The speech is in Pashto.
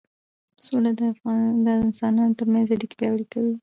سوله د انسانانو ترمنځ اړیکې پیاوړې کوي